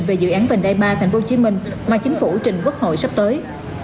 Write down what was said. về dự án vành đai ba thành phố hồ chí minh mà chính phủ ủy trình quốc hội sắp tới